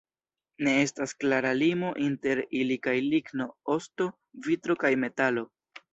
Ne estas klara limo inter ili kaj ligno, osto, vitro kaj metalo.